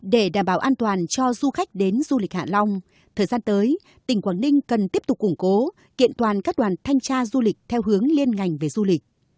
để đảm bảo an toàn cho du khách đến du lịch hạ long thời gian tới tỉnh quảng ninh cần tiếp tục củng cố kiện toàn các đoàn thanh tra du lịch theo hướng liên ngành về du lịch